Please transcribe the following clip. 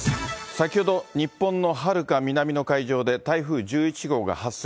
先ほど、日本のはるか南の海上で台風１１号が発生。